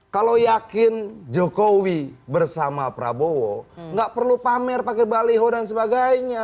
kalau yakin jokowi bersama prabowo nggak perlu pamer pakai baliho dan sebagainya